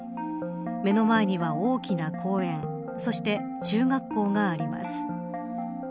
目の前には大きな公園そして、中学校があります。